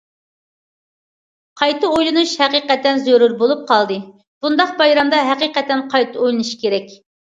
قايتا ئويلىنىش ھەقىقەتەن زۆرۈر بولۇپ قالدى، بۇنداق بايرامدا ھەقىقەتەن قايتا ئويلىنىش كېرەك.